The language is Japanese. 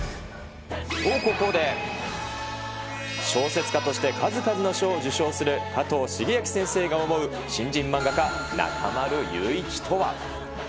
と、ここで、小説家として数々の賞を受賞する加藤シゲアキ先生が思う新人漫画家、中丸雄一とは？